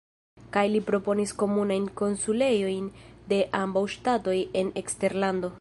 Kaj li proponis komunajn konsulejojn de ambaŭ ŝtatoj en eksterlando.